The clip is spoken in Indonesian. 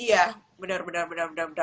iya benar benar benar